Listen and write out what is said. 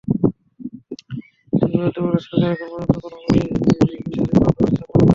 কারণ, জঙ্গিবাদ দমনে সরকার এখন পর্যন্ত কোনো বিশ্বাসযোগ্য অগ্রগতি সাধন করতে পারেনি।